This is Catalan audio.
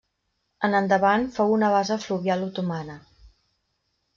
En endavant fou una base fluvial otomana.